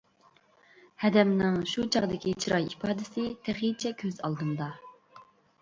ھەدەمنىڭ شۇ چاغدىكى چىراي ئىپادىسى تېخىچە كۆز ئالدىمدا.